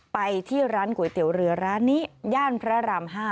ไปที่ร้านก๋วยเตี๋ยวเรือร้านนี้ย่านพระราม๕